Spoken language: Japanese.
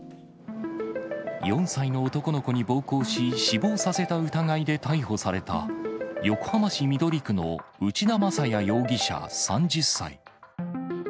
４歳の男の子に暴行し、死亡させた疑いで逮捕された、横浜市緑区の内田正也容疑者３０歳。